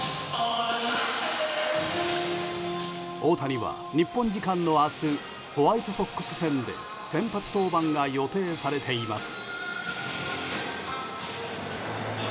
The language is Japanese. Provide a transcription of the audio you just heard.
大谷は日本時間の明日ホワイトソックス戦で先発登板が予定されています。